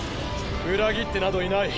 裏切ってなどいない。